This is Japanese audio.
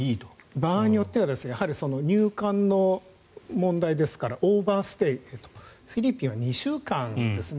場合によっては入管の問題ですからオーバーステイフィリピンは２週間ですね。